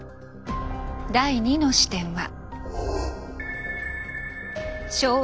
第２の視点は。